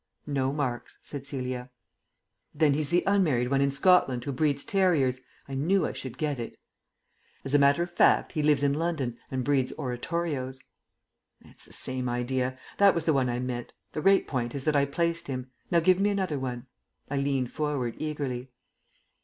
"No marks," said Celia. "Then he's the unmarried one in Scotland who breeds terriers. I knew I should get it." "As a matter of fact he lives in London and breeds oratorios." "It's the same idea. That was the one I meant. The great point is that I placed him. Now give me another one." I leant forward eagerly.